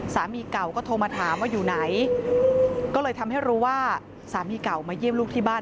สามีเก่าก็โทรมาถามว่าอยู่ไหนก็เลยทำให้รู้ว่าสามีเก่ามาเยี่ยมลูกที่บ้าน